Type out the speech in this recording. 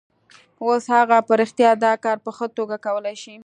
اوس هغه په رښتیا دا کار په ښه توګه کولای شي